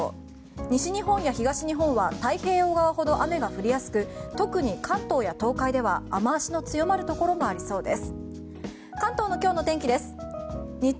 西日本や東日本は太平洋側ほど雨が降りやすく特に関東や東海では雨脚の強まるところもありそうです。